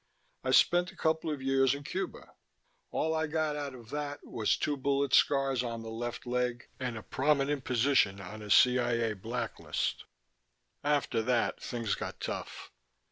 I spent a couple of years in Cuba; all I got out of that was two bullet scars on the left leg, and a prominent position on a CIA blacklist. "After that things got tough.